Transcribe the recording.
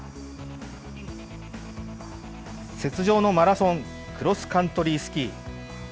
雪上のマラソン、クロスカントリースキー。